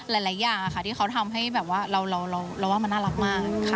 หลายอย่างค่ะที่เขาทำให้แบบว่าเราว่ามันน่ารักมาก